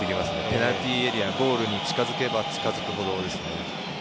ペナルティーエリア、ゴールに近づけば近づくほどですね。